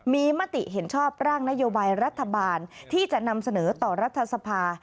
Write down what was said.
มีมติเห็นชอบร่างนโยบายรัฐบาลที่จะนำเสนอต่อรัฐสภา